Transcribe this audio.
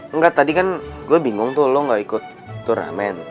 enggak tadi kan gue bingung tuh lo gak ikut turnamen